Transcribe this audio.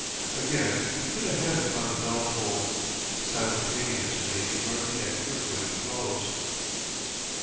Again he put a hand upon the bell pull. Simultaneously Dorothy and Kirkwood rose.